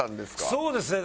そうですね。